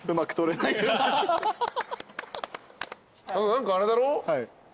何かあれだろ？